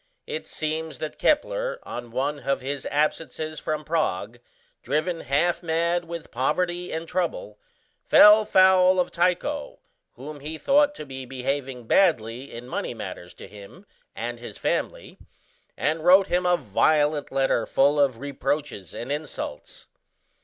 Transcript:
It seems that Kepler, on one of his absences from Prague, driven half mad with poverty and trouble, fell foul of Tycho, whom he thought to be behaving badly in money matters to him and his family, and wrote him a violent letter full of reproaches and insults.